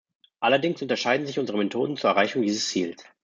Allerdings unterscheiden sich unsere Methoden zur Erreichung dieses Ziels.